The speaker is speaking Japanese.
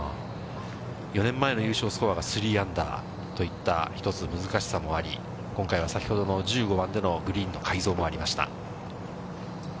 ４年前の優勝スコアが３アンダーといった一つ難しさもあり、今回は先ほどの１５番でのグリーンの改造もありました。